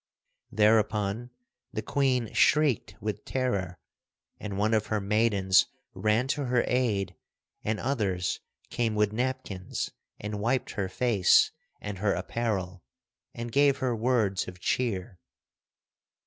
Thereupon the Queen shrieked with terror, and one of her maidens ran to her aid and others came with napkins and wiped her face and her apparel and gave her words of cheer.